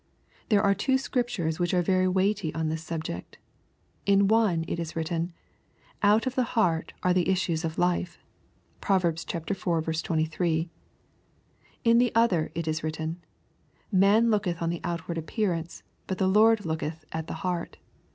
There are two Scriptures which are very weighty on this subject. In one it is written, '^ Out of the heart are the issues of life." (Prov. iv. 23.) In the other it is written, " Man looketh on the outward appearance, but the Lord looketh at the heart."